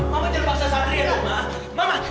mama jangan paksa sadria nung